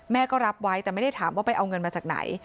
ก็รับไว้แต่ไม่ได้ถามว่าไปเอาเงินมาจากไหน